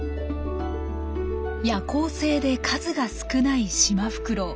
夜行性で数が少ないシマフクロウ。